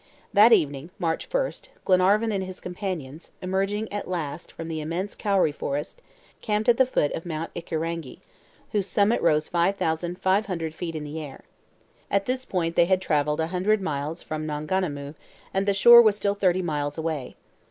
That evening, March 1, Glenarvan and his companions, emerging at last from the immense kauri forest, camped at the foot of Mount Ikirangi, whose summit rose five thousand five hundred feet into the air. At this point they had traveled a hundred miles from Maunganamu, and the shore was still thirty miles away.